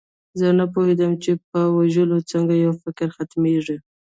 زه نه پوهېدم چې په وژلو څنګه یو فکر ختمیږي